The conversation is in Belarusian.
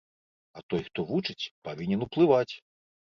А той, хто вучыць, павінен уплываць!